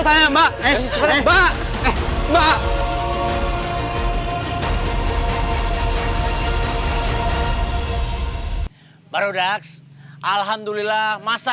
kamu harus berhati hati